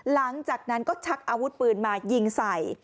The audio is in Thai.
หลังจากนั้นก็ชักอาวุธปืนมายิงใส่